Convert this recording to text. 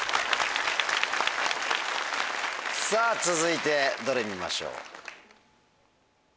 さぁ続いてどれ見ましょう？